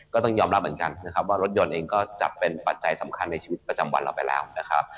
ก็ต้องยอมรับเหมือนกันนะครับว่ารถยนต์เองก็จะเป็นปัจจัยสำคัญในชีวิตประจำวันเราไปแล้วนะครับ